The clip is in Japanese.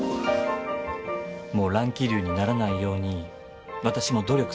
もう乱気流にならないように私も努力するから。